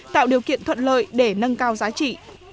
tạo điều kiện thuận lợi để nâng cao giá trị